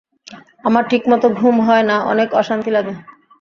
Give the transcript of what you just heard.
আমার ঠিকমত ঘুম হয় না অনেক অশান্তি লাগে।